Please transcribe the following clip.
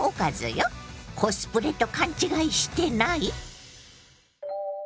コスプレと勘違いしてない？